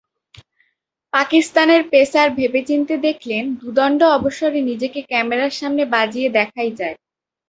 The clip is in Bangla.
পাকিস্তানের পেসার ভেবেচিন্তে দেখলেন, দুদণ্ড অবসরে নিজেকে ক্যামেরার সামনে বাজিয়ে দেখাই যায়।